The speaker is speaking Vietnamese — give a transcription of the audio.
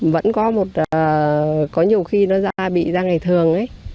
vẫn có một có nhiều khi nó ra bị ra ngày thường ấy